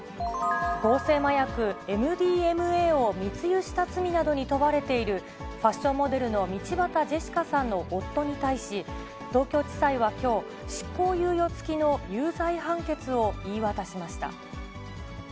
合成麻薬ＭＤＭＡを密輸した罪などに問われているファッションモデルの道端ジェシカさんの夫に対し、東京地裁はきょう、執行猶予付きの有罪判決を言い渡しました。